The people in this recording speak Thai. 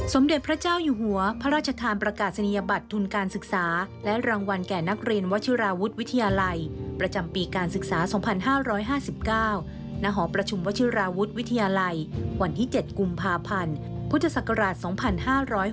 สมเด็จพระเจ้าอยู่หัวพระราชทานประกาศนียบัตรทุนการศึกษาและรางวัลแก่นักเรียนวชิราวุฒิวิทยาลัยประจำปีการศึกษา๒๕๕๙ณหอประชุมวชิราวุฒิวิทยาลัยวันที่๗กุมภาพันธ์พุทธศักราช๒๕๖๖